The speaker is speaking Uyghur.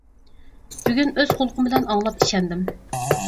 بۈگۈن ئۆز قۇلىقىم بىلەن ئاڭلاپ ئىشەندىم.